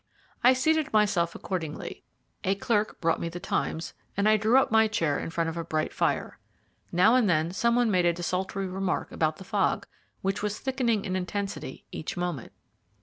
I seated myself accordingly, a clerk brought me the Times and I drew up my chair in front of a bright fire. Now and then some one made a desultory remark about the fog, which was thickening in intensity each moment.